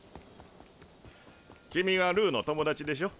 君はルーの友達でしょ？